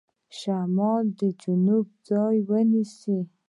شمال به د جنوب ځای ونیسي.